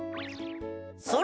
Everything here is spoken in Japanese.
それ！